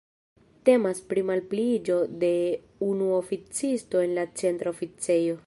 Temas pri malpliiĝo de unu oficisto en la Centra Oficejo.